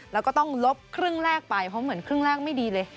แล้วก็ต้องลบครึ่งแรกไปเพราะเหมือนครึ่งแรกไม่ดีเลย